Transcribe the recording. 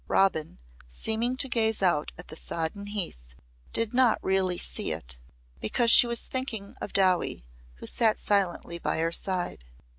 Robin, seeming to gaze out at the sodden heath, did not really see it because she was thinking of Dowie who sat silently by her side.